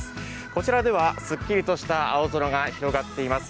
こちらでは、すっきりとした青空が広がっています。